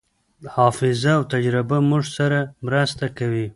حافظه او تجربه موږ سره مرسته کوي.